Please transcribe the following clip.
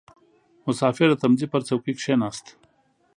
• مسافر د تمځي پر څوکۍ کښېناست.